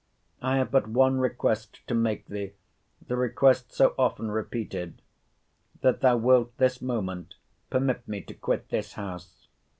—I have but one request to make thee—the request so often repeated—That thou wilt this moment permit me to quit this house.